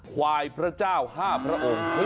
ควายพระเจ้า๕พระองค์